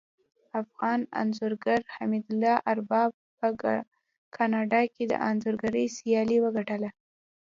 افغان انځورګر حمدالله ارباب په کاناډا کې د انځورګرۍ سیالي وګټله